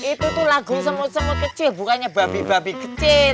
itu tuh lagu semut semut kecil bukannya babi babi kecil